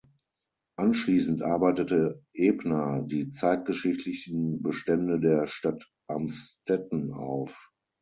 Anschließend arbeitete Ebner die zeitgeschichtlichen Bestände der Stadt Amstetten auf.